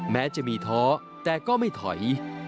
แม้จะมีท้อแต่ก็ไม่ถอย